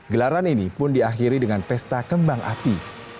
gelaran ini pun diakhiri dengan pesta kembang api